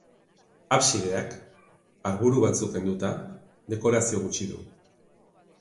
Absideak, harburu batzuk kenduta, dekorazio gutxi du.